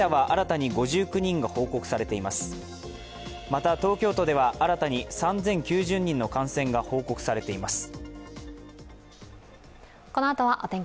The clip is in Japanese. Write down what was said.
また、東京都では新たに３０９０人の感染が報告されています。